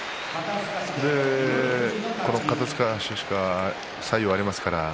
この肩すかし左右がありますからね